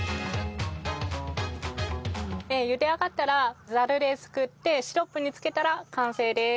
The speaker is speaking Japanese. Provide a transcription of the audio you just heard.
茹で上がったらザルですくってシロップに漬けたら完成です。